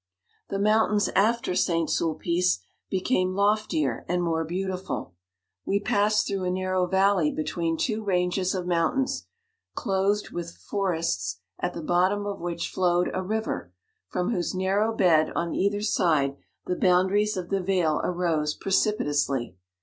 The mountains after St. Sulpice be came loftier and more beautiful. We passed through a narrow valley between two ranges of mountains, clothed with 43 forests, at the bottom of which flowed a river, from whose narrow bed on either side the boundaries of the vale arose precipitously.